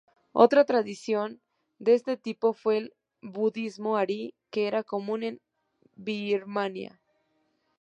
Otra tradición de este tipo fue el budismo Ari, que era común en Birmania.